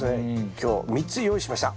今日３つ用意しました。